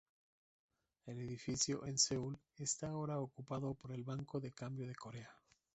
El edificio en Seúl está ahora ocupado por el Banco de Cambio de Corea.